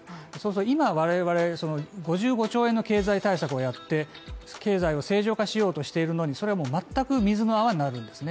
今我々その５５兆円の経済対策をやって、経済を正常化しようとしているのにそれも全く水の泡になるんですね。